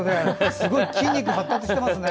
すごい筋肉発達してますね。